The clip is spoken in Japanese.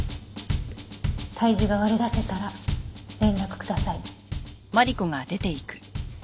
体重が割り出せたら連絡ください。